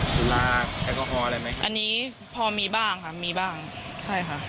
สุราแอลกอฮอล์อะไรไหมคะอันนี้พอมีบ้างค่ะมีบ้างใช่ค่ะ